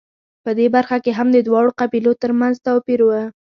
په دې برخه کې هم د دواړو قبیلو ترمنځ توپیر و